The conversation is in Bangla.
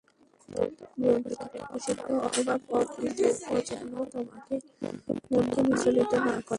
গ্রন্থকারের প্রসিদ্ধি অথবা অপ্রসিদ্ধি যেন তোমার মনকে বিচলিত না করে।